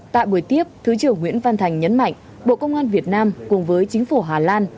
tại buổi tiếp thứ trưởng nguyễn văn thành nhấn mạnh bộ công an việt nam cùng với chính phủ hà lan